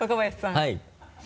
はい。